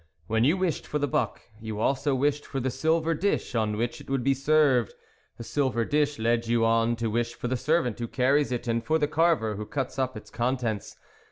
When you wished for the buck, you also wished for the silver dish on which it would be served ; the silver dish led you on to wish for the servant who carries it and for the carver who cuts up its contents.